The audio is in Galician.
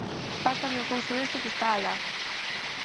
Pásame o couso ese que está alá!